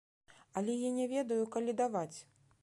Але я не ведаю, калі даваць.